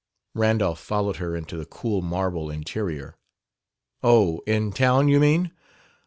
Randolph followed her into the cool marble interior. "Oh, in town, you mean?